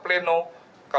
kepengurusan yang dilakukan